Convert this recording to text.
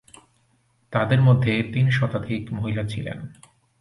তাদের মধ্যে তিন শতাধিক মহিলা ছিলেন।